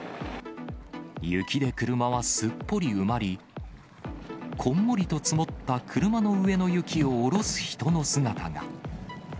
雪で車はすっぽり埋まり、こんもりと積もった車の上の雪を下ろす人の姿が。